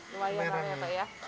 lumayan ya pak ya